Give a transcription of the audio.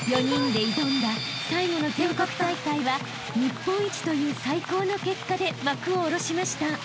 ［４人で挑んだ最後の全国大会は日本一という最高の結果で幕を下ろしました］